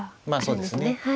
まあそうですね。